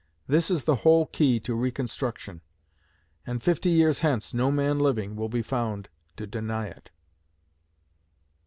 This is the whole key to Reconstruction; and fifty years hence no man living will be found to deny it.